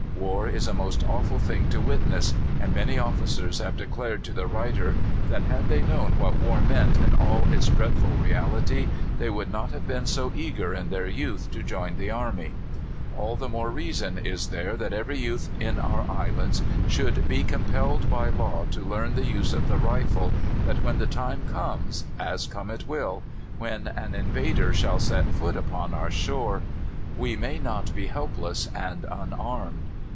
War is a most awful thing to witness, and many officers have declared to the writer that, had they known what war meant in all its dreadful reality, they would not have been so eager in their youth to join the army. All the more reason is there that every youth in our islands should be compelled by law to learn the use of the rifle, that when the time comes as come it will when an invader shall set foot upon our shore, we may not be helpless and unarmed.